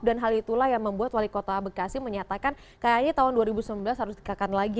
dan hal itulah yang membuat wali kota bekasi menyatakan kayaknya tahun dua ribu sembilan belas harus ditingkatkan lagi